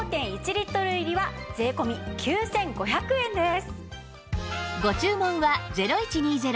リットル入りは税込９５００円です。